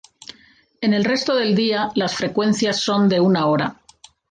En el resto del día, las frecuencias son de una hora.